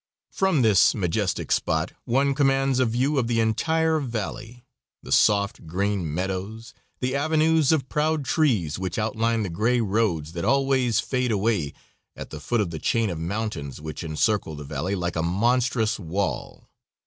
From this majestic spot one commands a view of the entire valley the soft, green meadows, the avenues of proud trees which outline the gray roads that always fade away at the foot of the chain of mountains which encircle the valley like a monstrous wall.